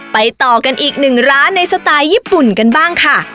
ต่อกันอีกหนึ่งร้านในสไตล์ญี่ปุ่นกันบ้างค่ะ